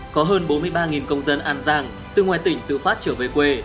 có hơn bốn mươi ba công dân an giang từ ngoài tỉnh tự phát trở về quê